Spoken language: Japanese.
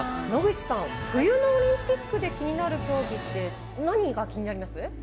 野口さん冬のオリンピックで気になる競技何が気になります。